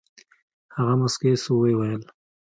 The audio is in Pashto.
هغه موسكى سو ويې ويل.